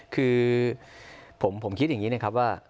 คือผมคิดอย่างนี้นะครับว่า